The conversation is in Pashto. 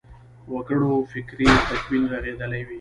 وګړو فکري تکوین رغېدلی وي.